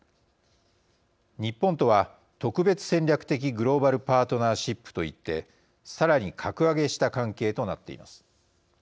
日本とは、特別戦略的グローバルパートナーシップと言って、さらに格上げした関係となっています。